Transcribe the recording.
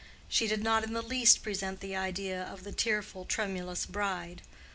She did not in the least present the ideal of the tearful, tremulous bride.